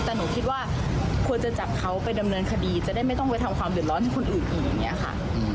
แต่หนูคิดว่าควรจะจับเขาไปดำเนินคดีจะได้ไม่ต้องไปทำความเดือดร้อนให้คนอื่นอีกอย่างนี้ค่ะ